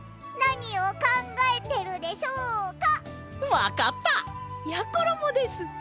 わかった！やころもです！